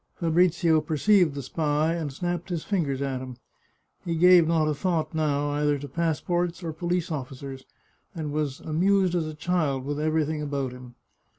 Fabrizio perceived the spy, and snapped his fingers at him. He gave not a thought, now, either to passports or police officers, and was as amused as a child with everything about him.